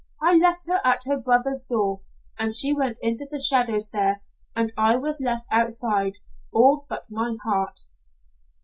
I left her at her brother's door, and she went into the shadows there, and I was left outside, all but my heart.